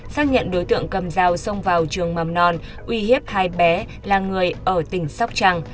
xác nhận đối tượng cầm dao xông vào trường mầm non uy hiếp hai bé là người ở tỉnh sóc trăng